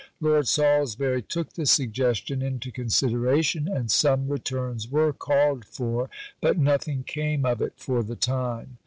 Lord Salisbury took the suggestion into consideration, and some returns were called for, but nothing came of it for the time.